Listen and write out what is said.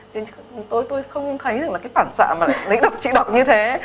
cho nên tôi không thấy được cái phản xạ mà lấy độc trị độc như thế